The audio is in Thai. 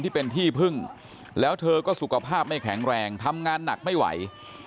ที่เป็นที่พึ่งแล้วเธอก็สุขภาพไม่แข็งแรงทำงานหนักไม่ไหว